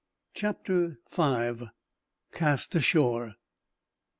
Chapter 5: Cast Ashore.